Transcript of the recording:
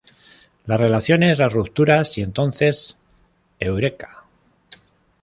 Las relaciones, las rupturas… y entonces ¡eureka!